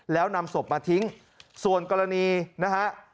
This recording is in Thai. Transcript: แล้วนำศพมาทิ้งส่วนกรณีนะฮะ